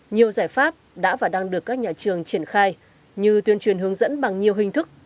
nhiều giải pháp đã và đang được các nhà trường triển khai như tuyên truyền hướng dẫn bằng nhiều hình thức